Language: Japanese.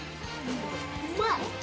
うんまい！